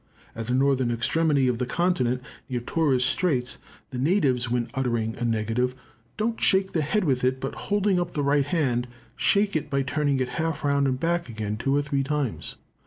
At the northern extremity of the continent, near Torres Straits, the natives when uttering a negative "don't shake the head with it, but holding up the right hand, shake it by turning it half round and back again two or three times."